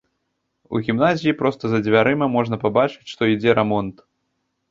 У гімназіі проста за дзвярыма можна пабачыць, што ідзе рамонт.